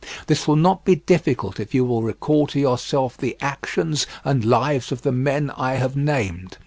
This will not be difficult if you will recall to yourself the actions and lives of the men I have named.